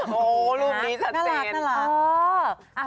โหรูปนี้ชัดเต็มน่ารัก